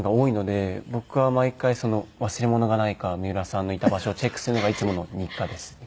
僕は毎回忘れ物がないか三浦さんのいた場所をチェックするのがいつもの日課ですね。